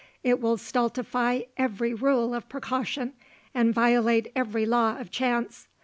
It will stultify every rule of precaution and violate every law of chance.